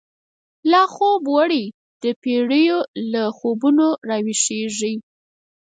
لاخوب وړی دپیړیو، له خوبونو راویښیږی